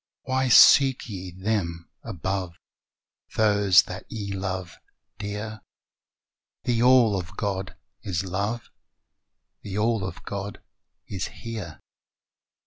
Why seek ye them above, Those that ye love dear ? The All of God is Love, The All of God is Here.